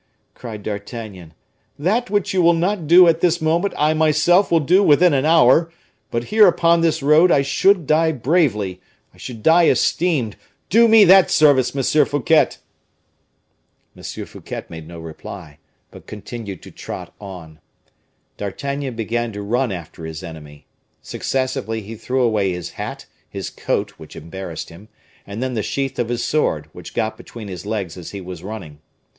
cried D'Artagnan; "that which you will not do at this moment, I myself will do within an hour, but here, upon this road, I should die bravely; I should die esteemed; do me that service, M. Fouquet!" M. Fouquet made no reply, but continued to trot on. D'Artagnan began to run after his enemy. Successively he threw away his hat, his coat, which embarrassed him, and then the sheath of his sword, which got between his legs as he was running.